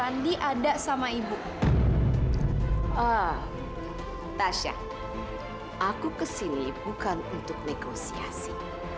natasha aku kesini bukan untuk negosiasi